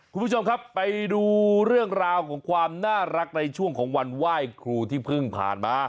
คุณผู้ชมครับไปดูเรื่องราวของความน่ารักในช่วงของวันไหว้ครูที่เพิ่งผ่านมา